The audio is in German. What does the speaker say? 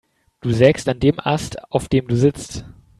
Du sägst an dem Ast, auf dem du sitzt.